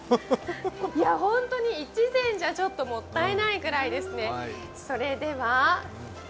本当に１膳じゃ、ちょっともったいないぐらいですね。